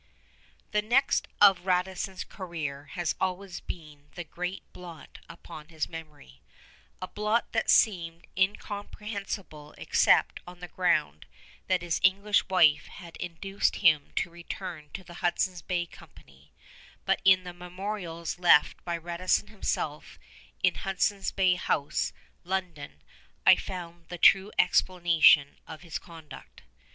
The next part of Radisson's career has always been the great blot upon his memory, a blot that seemed incomprehensible except on the ground that his English wife had induced him to return to the Hudson's Bay Company; but in the memorials left by Radisson himself, in Hudson's Bay House, London, I found the true explanation of his conduct.